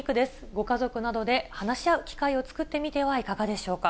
ご家族などで話し合う機会を作ってみてはいかがでしょうか。